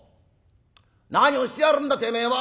何をしてやがるんだてめえは！